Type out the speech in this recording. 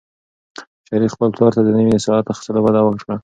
شریف خپل پلار ته د نوي ساعت اخیستلو وعده ورکړه.